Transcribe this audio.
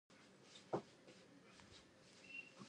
Luther had upset the peace of Germany by his disputes.